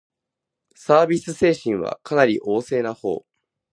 サービス精神はかなり旺盛なほう